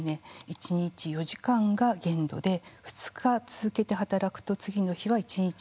１日４時間が限度で２日続けて働くと次の日は一日中寝込んでしまうと。